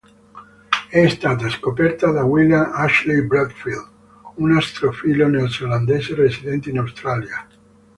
È stata scoperta da William Ashley Bradfield, un astrofilo neozelandese residente in Australia.